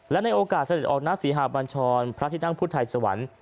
และในโอกาสเสด็จออกหน้าศรีหาบัญชรพระที่นั่งพุทธไทยสวรรค์